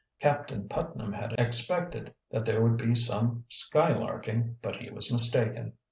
Captain Putnam had expected that there would be some skylarking, but he was mistaken.